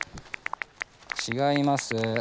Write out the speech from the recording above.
違います。